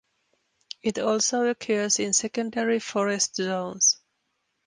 It also occurs in secondary forest zones.